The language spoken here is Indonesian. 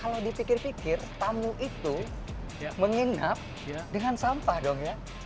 kalau dipikir pikir tamu itu menginap dengan sampah dong ya